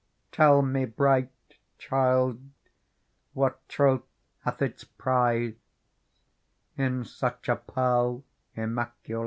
Tell me, bright child, what troth hath its prize In such a Pearl Immaculate